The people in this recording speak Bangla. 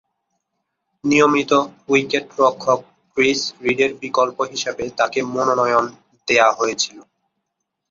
নিয়মিত উইকেট-রক্ষক ক্রিস রিডের বিকল্প হিসেবে তাকে মনোনয়ন দেয়া হয়েছিল।